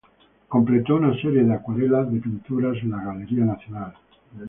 Completó una serie de acuarelas de pinturas en la Galería Nacional.